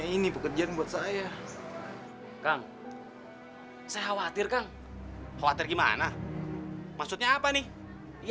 ini pekerjaan buat saya kang saya khawatir kang khawatir gimana maksudnya apa nih ya